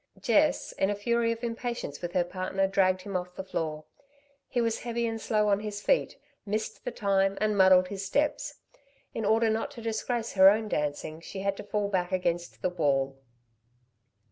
Jess, in a fury of impatience with her partner, dragged him off the floor. He was heavy and slow on his feet, missed the time, and muddled his steps. In order not to disgrace her own dancing she had to fall back against the wall.